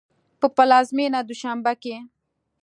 په پلازمېنه دوشنبه کې